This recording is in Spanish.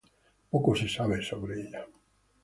Poco se sabe sobre ella.